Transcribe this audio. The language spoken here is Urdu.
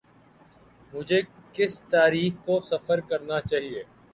مجھے کس تاریخ کو سفر کرنا چاہیے۔